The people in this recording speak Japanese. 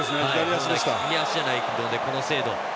右足じゃないのに、この精度。